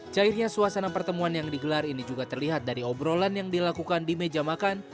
cairnya suasana pertemuan yang digelar ini juga terlihat dari obrolan yang dilakukan di meja makan